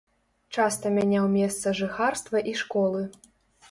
Часта мяняў месца жыхарства і школы.